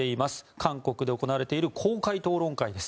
韓国で行われている公開討論会です。